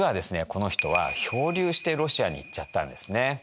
この人は漂流してロシアに行っちゃったんですね。